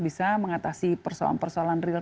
bisa mengatasi persoalan persoalan real